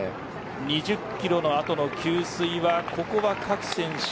２０キロの後の給水は各選手